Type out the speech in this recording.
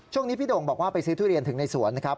พี่โด่งบอกว่าไปซื้อทุเรียนถึงในสวนนะครับ